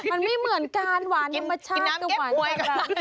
มันไม่เหมือนกันหวานธรรมชาติก็หวานธรรมนี้